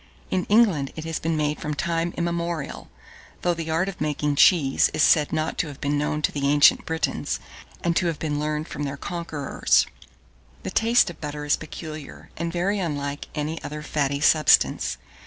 In England it has been made from time immemorial, though the art of making cheese is said not to have been known to the ancient Britons, and to have been learned from their conquerors. 1616. The taste of butter is peculiar, and very unlike any other fatty substance.